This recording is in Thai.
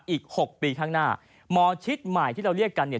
อีก๖ปีข้างหน้าหมอชิดใหม่ที่เราเรียกกันเนี่ย